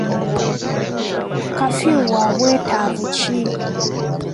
Kafyu wa bwetaavu ki?